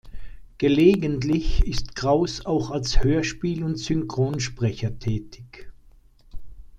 Gelegentlich ist Krauss auch als Hörspiel- und Synchronsprecher tätig.